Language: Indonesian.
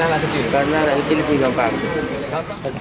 karena anak kecil lebih gampang